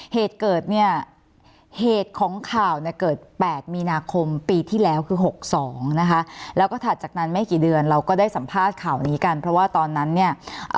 เหตุเกิดเนี่ยเหตุของข่าวเนี่ยเกิด๘มีนาคมปีที่แล้วคือ๖๒นะคะแล้วก็ถัดจากนั้นไม่กี่เดือนเราก็ได้สัมภาษณ์ข่าวนี้กันเพราะว่าตอนนั้นเนี่ย